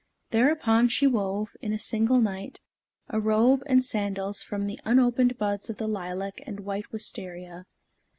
Thereupon she wove, in a single night, a robe and sandals from the unopened buds of the lilac and white wistaria.